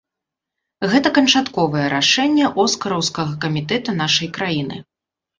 Гэта канчатковае рашэнне оскараўскага камітэта нашай краіны.